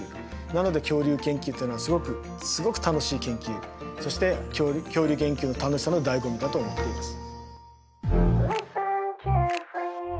なので恐竜研究っていうのはすごくすごく楽しい研究そして恐竜研究の楽しさのだいご味だと思っています。